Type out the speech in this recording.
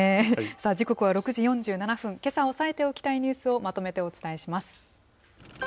時刻は６時４７分、けさ押さえておきたいニュースを、まとめてお伝えします。